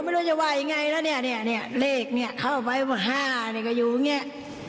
ไม่รู้จะว่ายังไงแล้วเนี่ยเลขเนี่ยเข้าไปว่า๕เนี่ยก็อยู่อย่างนี้